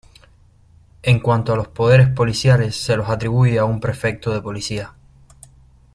En cuanto a los poderes policiales, se los atribuye a un prefecto de policía.